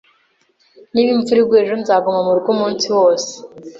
Niba imvura iguye ejo, nzaguma murugo umunsi wose